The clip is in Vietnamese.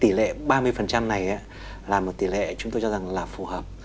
tỷ lệ ba mươi này là một tỷ lệ chúng tôi cho rằng là phù hợp